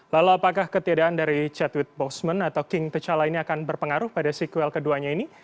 lalu apakah ketiadaan dari chat wit boseman atau king pecala ini akan berpengaruh pada sequel keduanya ini